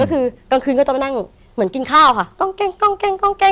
ก็คือกลางคืนก็จะมานั่งเหมือนกินข้าวค่ะกล้องเก้งกล้องแกล้งกล้องแกล้ง